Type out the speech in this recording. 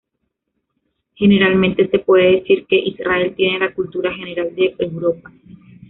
Generalmente, se puede decir que Israel tiene la cultura general de Europa.